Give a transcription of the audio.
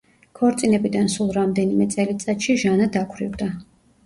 ქორწინებიდან სულ რამდენიმე წელიწადში ჟანა დაქვრივდა.